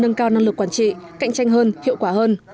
nâng cao năng lực quản trị cạnh tranh hơn hiệu quả hơn